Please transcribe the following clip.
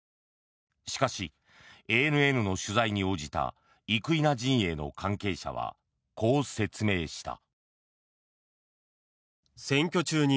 しかし、ＡＮＮの取材に応じた生稲陣営の関係者はこう説明した。